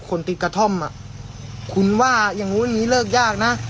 คนติดกระท่อมอ่ะคุณว่าอย่างนู้นอย่างนี้เลิกยากนะ